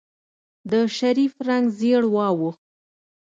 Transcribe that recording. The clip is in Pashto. د شريف رنګ زېړ واوښت.